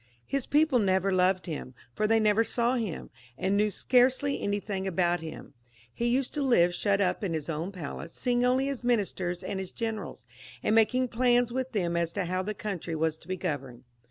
BKs people never loved him, for they never saw him, and knew scarcely anything about him ; he used to live shut up in his own palace, seeing only his ministers V and his generals, and making plans with them as to how { the country was to be governed.